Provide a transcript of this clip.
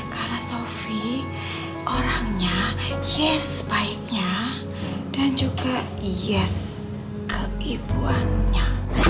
karena sofi orangnya yes baiknya dan juga yes keibuannya